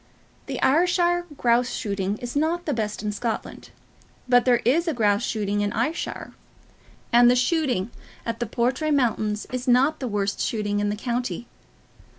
The Ayrshire grouse shooting is not the best in Scotland; but there is grouse shooting in Ayrshire; and the shooting on the Portray mountains is not the worst shooting in the county.